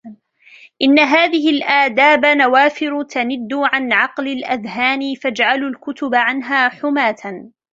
إنَّ هَذِهِ الْآدَابَ نَوَافِرُ تَنِدُّ عَنْ عَقْلِ الْأَذْهَانِ فَاجْعَلُوا الْكُتُبَ عَنْهَا حُمَاةً